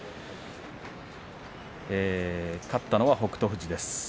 勝ったのは北勝富士です。